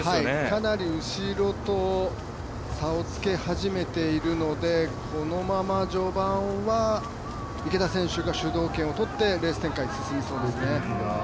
かなり後ろと差をつけ始めているので、このまま序盤は池田選手が主導権をとってレース展開進みそうですね。